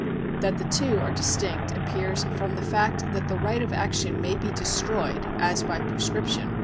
That the two are distinct appears from the fact that the right of action may be destroyed (as by prescription) while the debt remains.